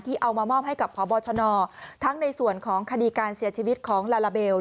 เอามามอบให้กับพบชนทั้งในส่วนของคดีการเสียชีวิตของลาลาเบล